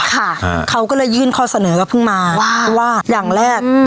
มันดีกว่าค่ะเขาก็เลยยื่นข้อเสนอกับพึ่งมาว่าว่าอย่างแรกอืม